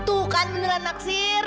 tuh kan beneran aksir